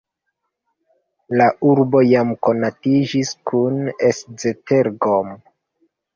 La urbo jam kontaktiĝis kun Esztergom.